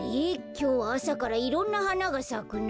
きょうはあさからいろんなはながさくな。